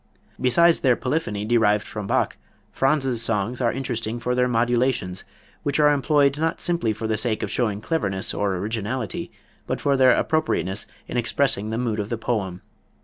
Besides their polyphony derived from Bach, Franz's songs are interesting for their modulations, which are employed not simply for the sake of showing cleverness or originality, but for their appropriateness in expressing the mood of the poem.